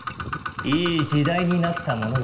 いい時代になったものだ。